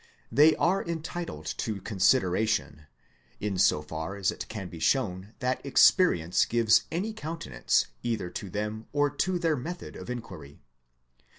They are entitled to consideration in so far as it can be shown that experi ence gives any countenance either to them or to their method of inquirj^.